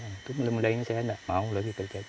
itu mudah mudah ini saya nggak mau lagi kerja itu